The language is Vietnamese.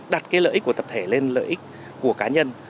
đặt cái lợi ích của tập thể lên lợi ích của cá nhân